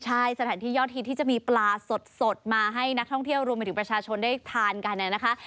ใช่สถานที่ยอดฮิตที่จะมีปลาสดมาให้นักท่องเที่ยวรวมไปถึงประชาชนได้ทานกันนะคะ